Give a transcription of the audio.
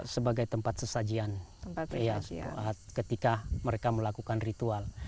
sebagai tempat sesajian ketika mereka melakukan ritual